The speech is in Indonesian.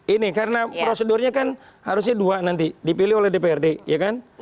ini karena prosedurnya kan harusnya dua nanti dipilih oleh dprd ya kan